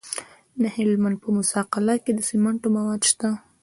د هلمند په موسی قلعه کې د سمنټو مواد شته.